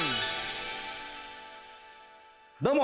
どうも！